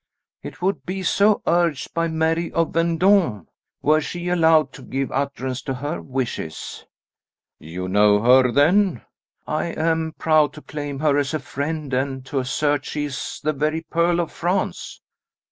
"It would be so urged by Mary of Vendôme, were she allowed to give utterance to her wishes." "You know her then?" "I am proud to claim her as a friend, and to assert she is the very pearl of France."